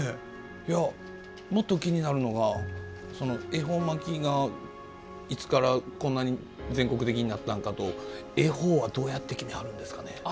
もっと気になるのが恵方巻きが、いつからこんなに全国的になったのかと恵方はどうやって決めはるんですかね。